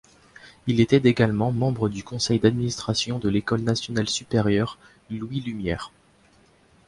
Il était également membre du conseil d'administration de l'École nationale supérieure Louis-Lumière.